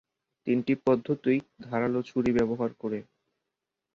তিনটি পদ্ধতিই ধারালো ছুরি ব্যবহার করে।